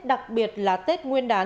đặc biệt là tết nguyên đán